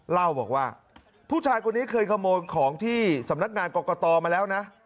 เล่าบอกว่าผู้ชายคนนี้เคยขโมยของที่สำนักงานกรกตมาแล้วนะ